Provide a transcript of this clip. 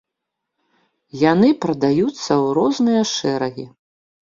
Яны прадаюцца ў розныя шэрагі.